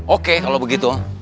oke kalau begitu